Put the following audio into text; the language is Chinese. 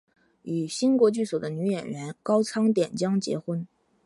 与新国剧所的女演员高仓典江结婚。